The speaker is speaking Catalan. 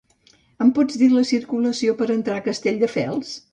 Em pots dir la circulació per entrar a Castelldefels?